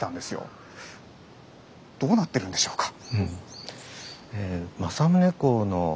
どうなってるんでしょうか？